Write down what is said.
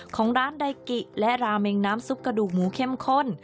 ของร้านไดกิและราเมงน้ำซุปกระดูกหมูเข้มข้น